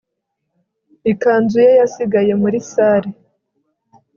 Ikanzu ye yasigaye muri salle